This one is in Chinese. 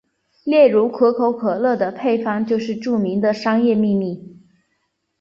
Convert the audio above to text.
例如可口可乐的配方就是著名的商业秘密。